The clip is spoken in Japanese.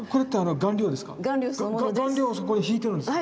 顔料をそこへひいてるんですか？